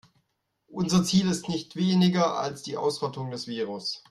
Unser Ziel ist nicht weniger als die Ausrottung des Virus.